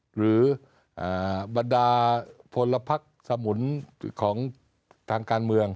หรือบรรดาพลพักสมุนของทางการเมือง